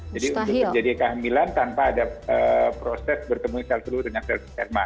jadi untuk terjadi kehamilan tanpa ada proses bertemuan sel telur dengan sel sperma